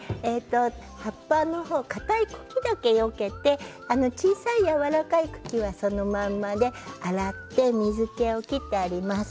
葉っぱの方かたい茎だけよけて小さいやわらかい茎はそのままで洗って水けを切ってあります。